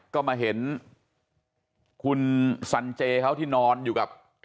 ก็มาเห็นคุณสันเจเขาที่นอนอยู่กับ